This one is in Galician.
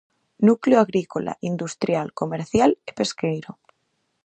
Núcleo agrícola, industrial, comercial e pesqueiro.